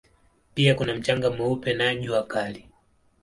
Pia kuna mchanga mweupe na jua kali.